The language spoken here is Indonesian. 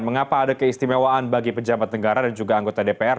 mengapa ada keistimewaan bagi pejabat negara dan juga anggota dpr